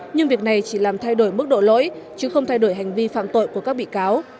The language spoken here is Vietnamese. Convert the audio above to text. nhưng việc này chỉ làm thay đổi mức độ lỗi chứ không thay đổi hành vi phạm tội của các bị cáo